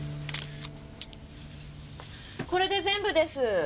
これで全部です。